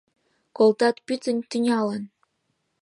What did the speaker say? Колтат пӱтынь тӱнялан;